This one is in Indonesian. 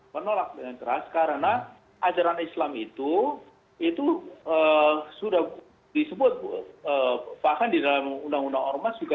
menolak dengan keras karena ajaran islam itu itu sudah disebut bahkan di dalam undang undang ormas juga